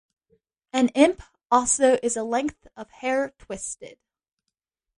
An imp also is a length of hair twisted.